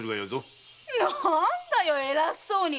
何だよ偉そうに！